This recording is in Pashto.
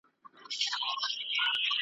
توند بادونه وای توپان وای `